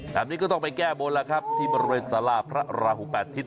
แบบนี้ก็ต้องไปแก้บนแล้วครับที่บริเวณสาราพระราหูแปดทิศ